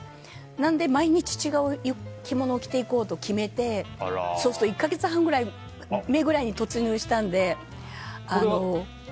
なので、毎日違う着物を着ていこうと決めて１か月半目くらいに突入したので。